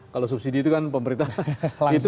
kalau subsidi itu kan pemerintah